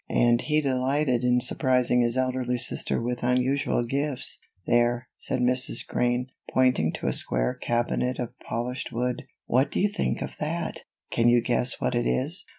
And he delighted in surprising his elderly sister with unusual gifts. "There," said Mrs. Crane, pointing to a square cabinet of polished wood. "What do you think of that! Can you guess what it is?"